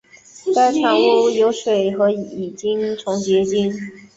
该产物可由水和乙腈重结晶。